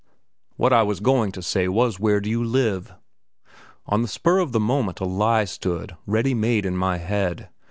"What I was going to say was, 'where do you live?'" On the spur of the moment a lie stood, ready made, in my head.